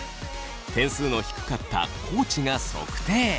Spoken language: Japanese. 点数の低かった地が測定。